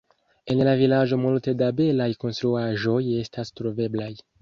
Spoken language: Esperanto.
En la vilaĝo multe da belaj konstruaĵoj estas troveblaj.